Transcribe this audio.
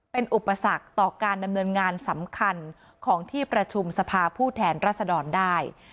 เป็นอุปสรรคต่อการดำเนินงานสำคัญของที่ประชุมสภาผู้แทนรัศดรได้